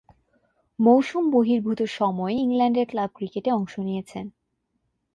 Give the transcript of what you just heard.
মৌসুম বহির্ভূত সময়ে ইংল্যান্ডের ক্লাব ক্রিকেটে অংশ নিয়েছেন।